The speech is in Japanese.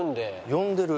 「呼んでる」？